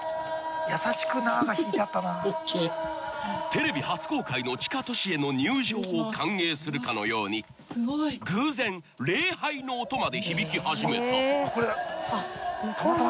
・［テレビ初公開の地下都市への入場を歓迎するかのように偶然礼拝の音まで響き始めた］